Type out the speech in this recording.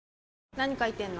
何書いてんの？